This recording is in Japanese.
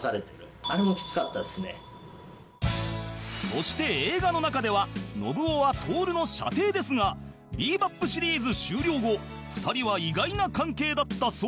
そして映画の中ではノブオはトオルの舎弟ですが『ビー・バップ』シリーズ終了後２人は意外な関係だったそうですよ